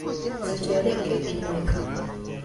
Kizito yalya keeki mmeka?